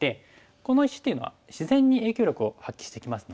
この石っていうのは自然に影響力を発揮してきますので。